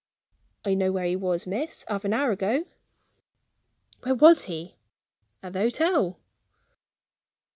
"I know where he was, miss, half an hour ago." "Where was he?" "At the hotel."